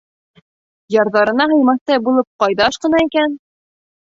Ярҙарына һыймаҫтай булып ҡайҙа ашҡына икән?